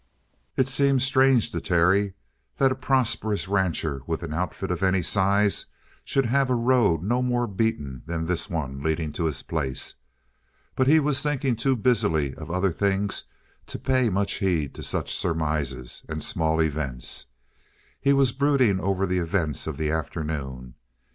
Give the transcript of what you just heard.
It seemed strange to Terry that a prosperous rancher with an outfit of any size should have a road no more beaten than this one leading to his place. But he was thinking too busily of other things to pay much heed to such surmises and small events. He was brooding over the events of the afternoon.